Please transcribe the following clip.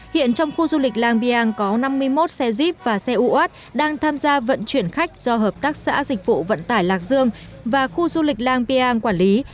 hiện trong khu du lịch làng biàng có năm mươi một xe jeep và xe uat đang tham gia vận chuyển khách do hợp tác xã dịch vụ vận tải lạc dương và khu du lịch làng piang quản lý